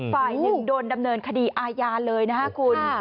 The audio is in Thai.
ฝ่ายหนึ่งโดนดำเนินคดีอาญาเลยนะฮะคุณ